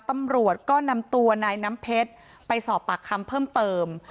ตำรวจก็นำตัวนายน้ำเพชรไปสอบปากคำเพิ่มเติม